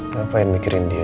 ngapain mikirin dia